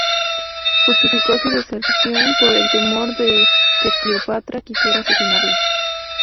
Justificó su deserción por el temor de que Cleopatra quisiera asesinarlo.